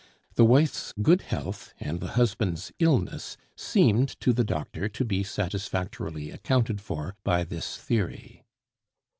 The wife's good health and the husband's illness seemed to the doctor to be satisfactorily accounted for by this theory.